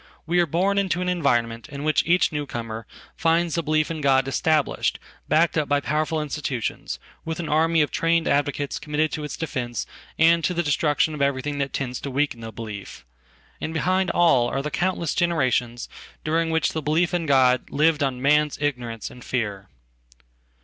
We are born into an environment in which each newcomerfinds the belief in God established, backed up by powerfulinstitutions, with an army of trained advocates committed to itsdefence and to the destruction of everything that tends to weakenthe belief. And behind all are the countless generations duringwhich the belief in God lived on man's ignorance and fear.